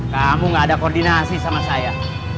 kamu tidak ada koordinasi dengan saya